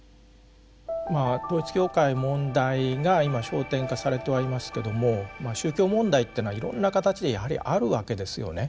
まあ統一教会問題が今焦点化されてはいますけども宗教問題っていうのはいろんな形でやはりあるわけですよね。